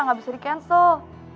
gak bisa di cancel